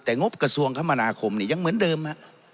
แต่งบกระทรวงคมนาคมนี่ยังเหมือนเดิมฮะ